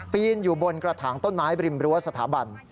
นอยู่บนกระถางต้นไม้บริมรั้วสถาบัน